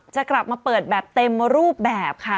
จะกลับมาเปิดแบบเต็มรูปแบบค่ะ